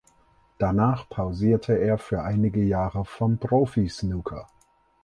Danach pausierte er für einige Jahre vom Profisnooker.